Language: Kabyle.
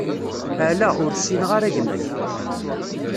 Ala, ur ssineɣ ara gma-k.